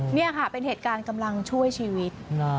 นี่ค่ะเป็นเหตุการณ์กำลังช่วยชีวิต